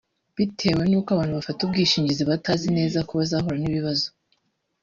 Bitewe n’uko abantu bafata ubwishingizi batazi neza ko bazahura n’ibibazo